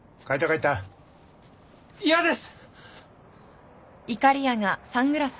嫌です！